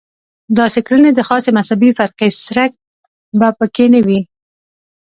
داسې کړنې چې د خاصې مذهبي فرقې څرک به په کې نه وي.